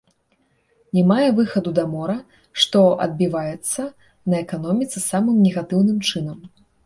Не мае выхаду да мора, што адбіваецца на эканоміцы самым негатыўным чынам.